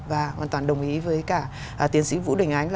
và hoàn toàn đồng ý với cả tiến sĩ vũ đình ánh